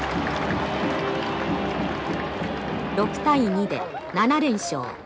６対２で７連勝。